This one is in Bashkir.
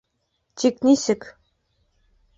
Тик нисек?